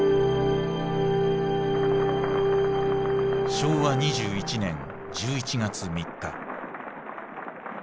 昭和２１年１１月３日。